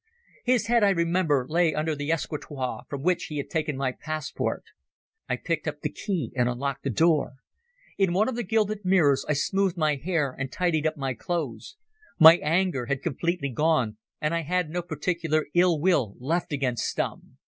His head, I remember, lay under the escritoire from which he had taken my passport. I picked up the key and unlocked the door. In one of the gilded mirrors I smoothed my hair and tidied up my clothes. My anger had completely gone and I had no particular ill will left against Stumm.